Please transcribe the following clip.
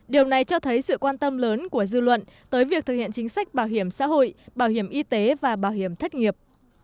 điều này cho thấy sự quan tâm lớn của dư luận tới việc thực hiện chính sách bảo hiểm xã hội bảo hiểm y tế và bảo hiểm thất nghiệp